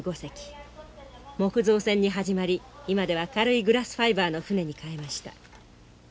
木造船に始まり今では軽いグラスファイバーの舟に替えました。